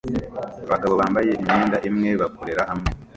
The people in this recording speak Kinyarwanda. Abagabo bambaye imyenda imwe bakorera hamwe